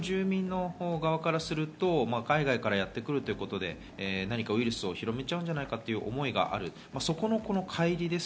受け入れる住民の側からすると海外からやってくるということでウイルスを広めちゃうんじゃないかという思いがあります。